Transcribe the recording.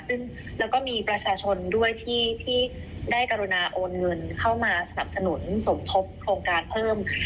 ซึ่งแล้วก็มีประชาชนด้วยที่ได้กรุณาโอนเงินเข้ามาสนับสนุนสมทบโครงการเพิ่ม